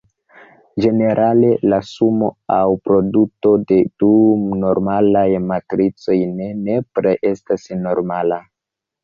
Ĝenerale, la sumo aŭ produto de du normalaj matricoj ne nepre estas normala.